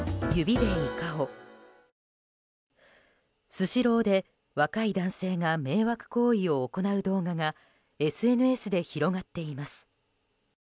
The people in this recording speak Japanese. スシローで若い男性が迷惑行為を行う動画がＳＮＳで広がっています。